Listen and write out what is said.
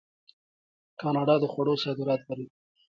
کاناډا د خوړو صادرات لري.